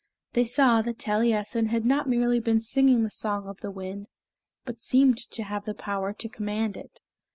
They saw that Taliessin had not merely been singing the song of the wind, but seemed to have power to command it.